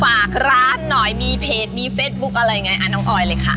ฝากร้านหน่อยมีเพจมีเฟสบุ๊คอะไรไงน้องออยเลยค่ะ